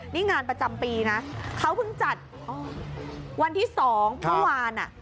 นี่งานประจำปีนะเขาเพิ่งจัดวันที่๒เมื่อวาน